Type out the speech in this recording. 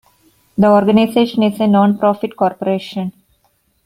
The organization is a non-profit corporation.